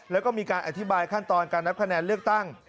แล้วก็มีการอธิบายขั้นตอนการนับคะแนนเลือกตั้ง